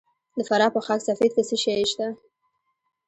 د فراه په خاک سفید کې څه شی شته؟